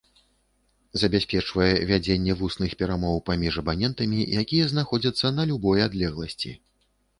Забяспечвае вядзенне вусных перамоў паміж абанентамі, якія знаходзяцца на любой адлегласці.